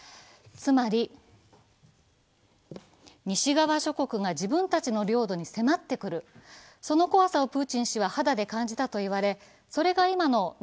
つまり西側諸国が自分たちの領土に迫ってくる、その怖さをプーチン氏は肌で感じたと言われ、それが今のＮＡＴＯ